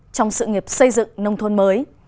trong sự nghiệp xây dựng nông thôn mới